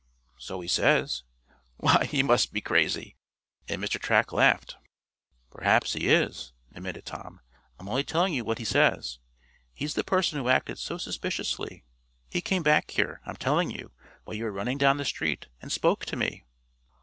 "So he says." "Why, he must be crazy!" and Mr. Track laughed. "Perhaps he is," admitted Tom, "I'm only telling you what he says. He's the person who acted so suspiciously. He came back here, I'm telling you, while you were running down the street, and spoke to me."